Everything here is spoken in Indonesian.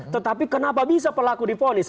tetapi kenapa bisa pelaku diponis